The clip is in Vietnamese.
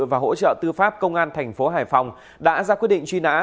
và hỗ trợ tư pháp công an tp hải phòng đã ra quyết định truy nã